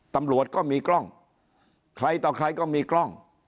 ตำรวจก็มีกล้องใครต่อใครก็มีกล้อง